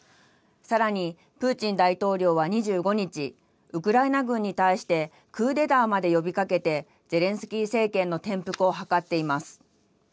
さらに、プーチン大統領は２５日、ウクライナ軍に対してクーデターまで呼びかけて、ゼレンスキー政権の転覆を図っています。